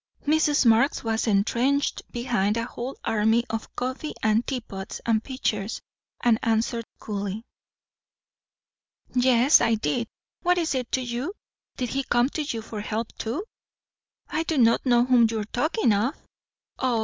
Mrs. Marx was entrenched behind a whole army of coffee and tea pots and pitchers, and answered coolly. "Yes, I did. What is it to you? Did he come to you for help too?" "I do not know whom you are talking of." "Oh!"